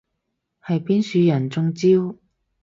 係邊樹人中招？